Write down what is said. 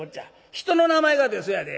人の名前かてそやで。